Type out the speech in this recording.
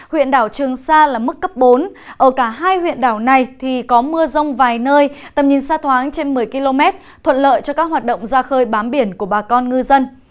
huyện đảo trường sa là mức cấp bốn ở cả hai huyện đảo này thì có mưa rông vài nơi tầm nhìn xa thoáng trên một mươi km thuận lợi cho các hoạt động ra khơi bám biển của bà con ngư dân